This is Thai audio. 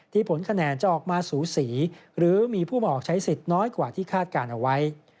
ผลคะแนนจะออกมาสูสีหรือมีผู้มาออกใช้สิทธิ์น้อยกว่าที่คาดการณ์เอาไว้